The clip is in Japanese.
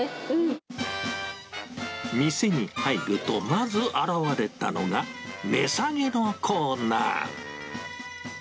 店に入るとまず現れたのが、値下げのコーナー。